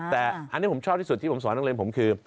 แต่อันนี้ผมชอบที่สุดที่ผมสอนนักเรียนผมคือ